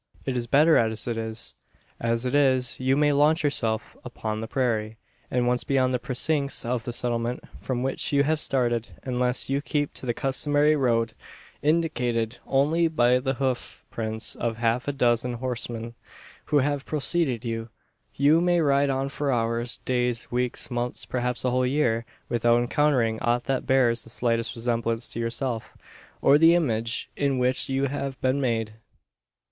It is better as it is. As it is, you may launch yourself upon the prairie: and once beyond the precincts of the settlement from which you have started unless you keep to the customary "road," indicated only by the hoof prints of half a dozen horsemen who have preceded you you may ride on for hours, days, weeks, months, perhaps a whole year, without encountering aught that bears the slightest resemblance to yourself, or the image in which you have been made.